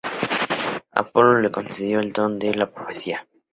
Apolo le concedió el don de la profecía.